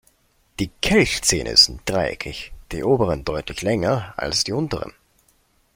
Die Kelchzähne sind dreieckig, die oberen deutlich länger als die unteren.